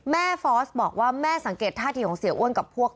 ฟอสบอกว่าแม่สังเกตท่าทีของเสียอ้วนกับพวก